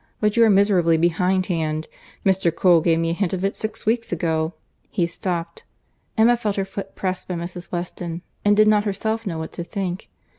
—But you are miserably behindhand. Mr. Cole gave me a hint of it six weeks ago." He stopped.—Emma felt her foot pressed by Mrs. Weston, and did not herself know what to think.